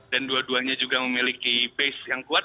dan dua duanya juga memiliki base yang kuat